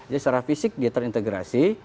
jadi secara fisik dia terintegrasi